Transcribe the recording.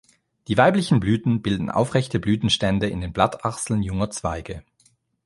Die weiblichen Blüten bilden aufrechte Blütenstände in den Blattachseln junger Zweige.